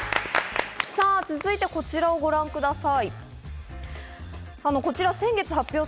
続いて、こちらご覧ください。